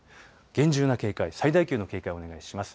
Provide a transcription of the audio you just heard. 厳重な警戒、最大級の警戒をお願いします。